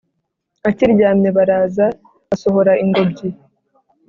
akiryamye baraza basohora ingobyi